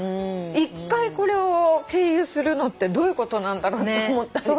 一回これを経由するのってどういうことなんだろうと思った。